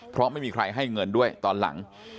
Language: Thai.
เพราะไม่มีใครให้เงินด้วยตอนหลัง